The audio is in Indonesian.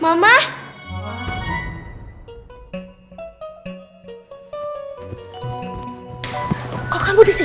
mama kan udah nelfon aku suruh aku kesini